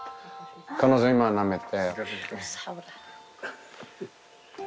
彼女今なめて。